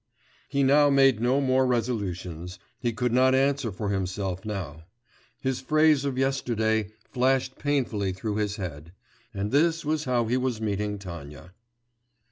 He now made no more resolutions, he could not answer for himself now. His phrase of yesterday flashed painfully through his head.... And this was how he was meeting Tanya....